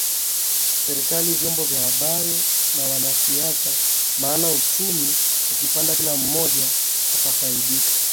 Serikali vyombo vya habari na wanasiasa maana uchumi ukipanda kila mmoja atafaidika